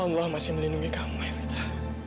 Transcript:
allah masih melindungi kamu evita